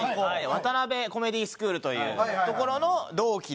ワタナベコメディスクールというところの同期で。